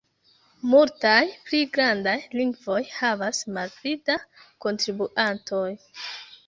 Multaj pli grandaj lingvoj havas malpli da kontribuantoj.